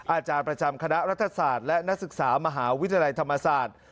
อาจารย์ประจำคณะรัฐศาสตร์และนักศึกษามหาวิทยาลัยธรรมศาสตร์